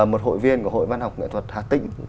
một hội viên của hội văn học nghệ thuật hà tĩnh